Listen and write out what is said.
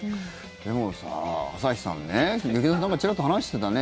でもさ、朝日さんね劇団さんがちらっと話してたね。